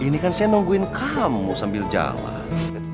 ini kan saya nungguin kamu sambil jalan